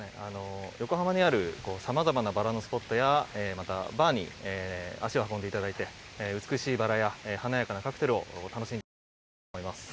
横浜にあるさまざまなバラのスポットや、また、バーに足を運んでいただいて、美しいバラや、華やかなカクテルを楽しんでいただければと思います。